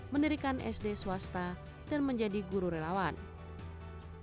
ia biasa menuju sekolah dengan motornya di hari nancarah